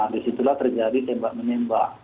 di situlah terjadi tembak menembak